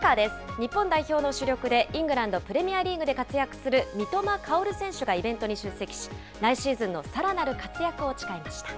日本代表の主力でイングランドプレミアリーグで活躍する、三笘薫選手がイベントに出席し、来シーズンのさらなる活躍を誓いました。